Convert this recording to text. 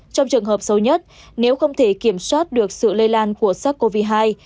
trong trường hợp sâu nhất nếu không thể kiểm soát được sự lây lan của sắc covid hai